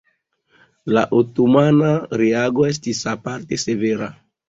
La otomana reago estis aparte severa.